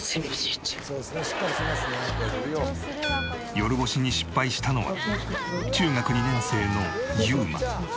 夜干しに失敗したのは中学２年生の侑真。